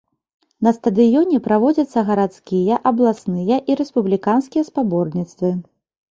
На стадыёне праводзяцца гарадскія, абласныя і рэспубліканскія спаборніцтвы.